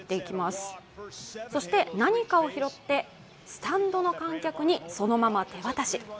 そして、何かを拾ってスタンドの観客にそのまま手渡し。